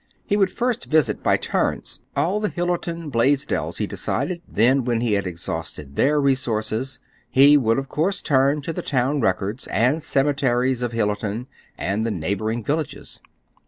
He would first visit by turns all the Hillerton Blaisdells, he decided; then, when he had exhausted their resources, he would, of course, turn to the town records and cemeteries of Hillerton and the neighboring villages.